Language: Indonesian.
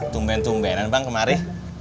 tungben tungbenan bang kemari